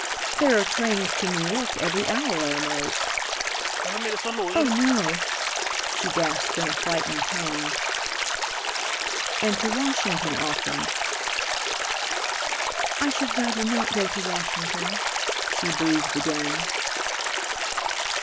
"There are trains to New York every hour almost." "Oh, no!" she gasped in a frightened tone. "And to Washington often." "I should rather not go to Washington," she breathed again.